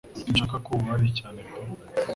Sinshaka ko ubabara cyane pe